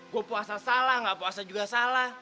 gue puasa salah gak puasa juga salah